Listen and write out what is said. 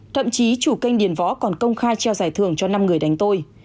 thậm chí chủ kênh điền võ còn công khai treo giải thưởng cho năm người đánh tôi